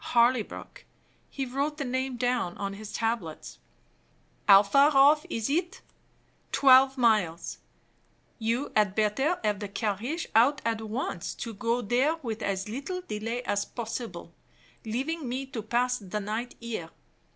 Harleybrook (he wrote the name down on his tablets). "How far off is it?" Twelve miles. "You had better have the carriage out at once, to go there with as little delay as possible, leaving me to pass the night here.